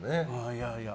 いやいや。